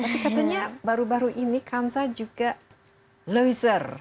tapi katanya baru baru ini kansa juga loser